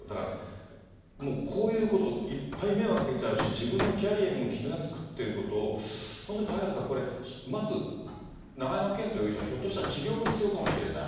だからもうこういうこと、いっぱい迷惑かけちゃうし、自分のキャリアにも傷がつくということを、本当に嵩原さん、まず永山絢斗容疑者、ひょっとしたら治療も必要かもしれない。